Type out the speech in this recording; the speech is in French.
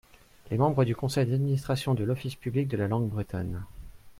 Les membres du conseil d’administration de l’office public de la langue bretonne.